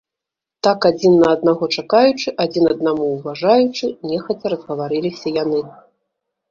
Так адзін на аднаго чакаючы, адзін аднаму ўважаючы, нехаця разгаварыліся яны.